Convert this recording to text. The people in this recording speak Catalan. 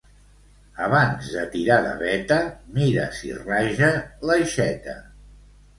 Abans de tirar de veta mira si raja l'aixeta.